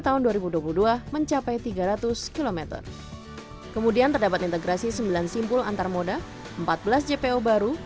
tahun dua ribu dua puluh dua mencapai tiga ratus km kemudian terdapat integrasi sembilan simpul antar moda empat belas jpo baru